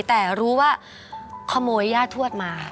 แต่รู้ว่าขโมยย่าทวดมา